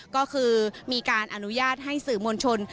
ก็คือมีการอนุญาตให้สื่อมวลชน